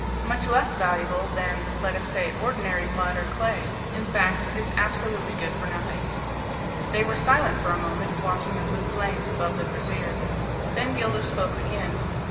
Much less valuable than, let us say, ordinary mud or clay. In fact, it is absolutely good for nothing." They were silent for a moment, watching the blue flames above the brazier. Then Gildas spoke again.